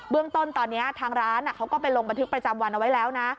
เรื่องต้นตอนนี้ทางร้านเขาก็ไปลงบันทึกประจำวันเอาไว้แล้วนะ